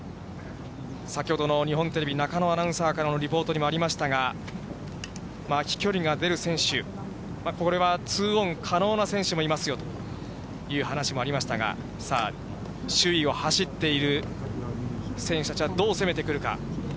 先ほどの日本テレビ、中野アナウンサーからのリポートにもありましたが、飛距離が出る選手、これは２オン可能な選手もいますよという話もありましたが、さあ、首位を走っている選手たちは、どう攻めてくるか。